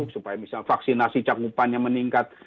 supaya vaksinasi cakupannya meningkat